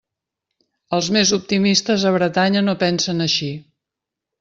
Els més optimistes a Bretanya no pensen així.